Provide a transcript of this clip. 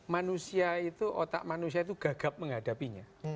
manusia itu otak manusia itu gagap menghadapinya